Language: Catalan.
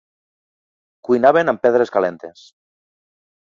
Cuinaven amb pedres calentes.